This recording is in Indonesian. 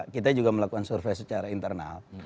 kita juga melakukan survei secara internal